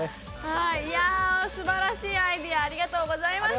いやぁすばらしいアイデアありがとうございました！